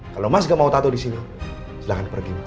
kalau mas gak mau tato di sini silahkan pergi